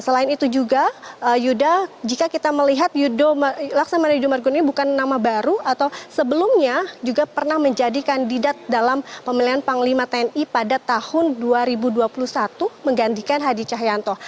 selain itu juga yuda jika kita melihat laksamana yudo margono ini bukan nama baru atau sebelumnya juga pernah menjadi kandidat dalam pemilihan panglima tni pada tahun dua ribu dua puluh satu menggantikan hadi cahyanto